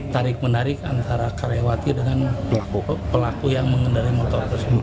tarik menarik antara karyawati dengan pelaku yang mengendari motor tersebut